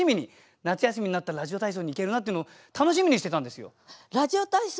夏休みになったらラジオ体操に行けるなっていうのを楽しみにしてたんですよ。